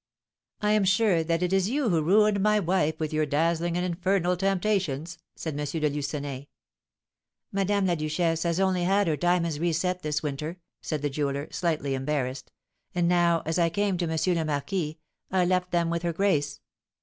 "I am sure that it is you who ruined my wife with your dazzling and infernal temptations," said M. de Lucenay. "Madame la Duchesse has only had her diamonds reset this winter," said the jeweller, slightly embarrassed; "and now, as I came to M. le Marquis, I left them with her grace."